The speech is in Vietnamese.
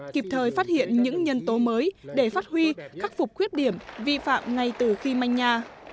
kịp thời phát hiện những nhân tố mới để phát huy khắc phục khuyết điểm vi phạm ngay từ khi manh nha